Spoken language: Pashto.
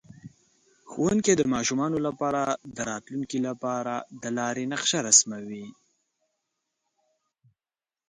ښوونکی د ماشومانو لپاره د راتلونکي لپاره د لارې نقشه رسموي.